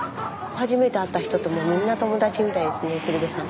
初めて会った人ともみんな友達みたいですね鶴瓶さん。